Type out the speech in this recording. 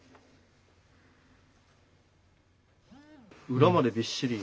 裏までびっしり。